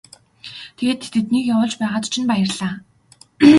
Тэгээд тэднийг явуулж байгаад чинь баярлалаа.